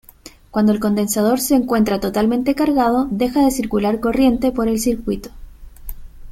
Cuando el condensador se encuentra totalmente cargado, deja de circular corriente por el circuito.